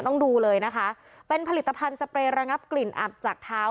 ต้องดูเลยนะคะเป็นผลิตภัณฑ์สเปรย์ระงับกลิ่นอับจากเท้า